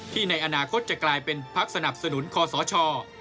ในอนาคตจะกลายเป็นพักสนับสนุนคอสช